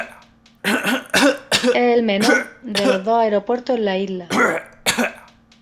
Es el menor de los dos aeropuertos en la isla.